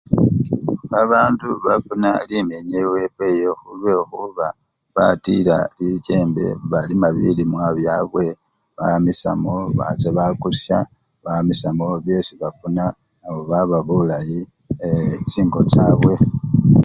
Babandu bafuna limenya ewefwe eyo khulwekhuba baatila lichembe balima bilimwa byabwe bamishamo bacha bakusha bamisyamo byesi bafuna nabo baba bulayi ee chingo chabwe.